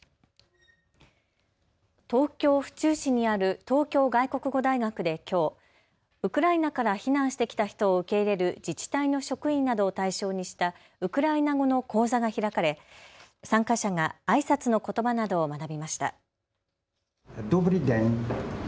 東京府中市にある東京外国語大学できょう、ウクライナから避難してきた人を受け入れる自治体の職員などを対象にしたウクライナ語の講座が開かれ、参加者があいさつのことばなどを学びました。